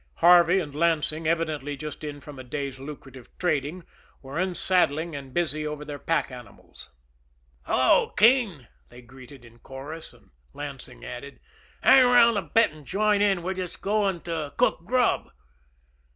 Harvey and Lansing, evidently just in from a day's lucrative trading, were unsaddling and busy over their pack animals. "Hello, Keene!" they greeted in chorus; and Lansing added: "Hang 'round a bit an' join in; we're just goin' TO cook grub."